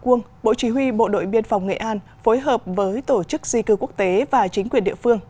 quân bộ chỉ huy bộ đội biên phòng nghệ an phối hợp với tổ chức di cư quốc tế và chính quyền địa phương